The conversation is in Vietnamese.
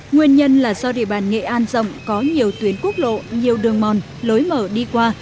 nguyên nhân là do địa bàn nghệ an rộng có nhiều tuyến quốc lộ nhiều đường mòn lối mở đi qua